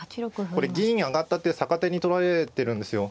これ銀上がった手逆手に取られてるんですよ。